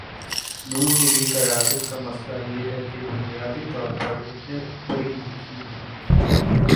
نون لیگی قیادت کا مسئلہ یہ ہے کہ بنیادی طور پہ اتنے پڑھی لکھی نہیں۔